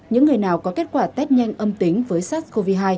những người nào có kết quả test nhanh âm tính với sars cov hai